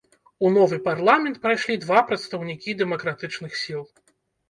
У новы парламент прайшлі два прадстаўнікі дэмакратычных сіл.